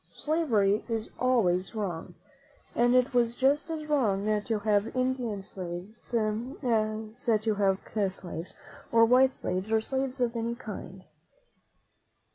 Slavery is always wrong, and it was just as wrong to have Indian slaves as to have black slaves, or white slaves, or slaves of any kind.